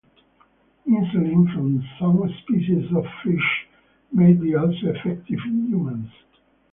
Insulin from some species of fish may be also effective in humans.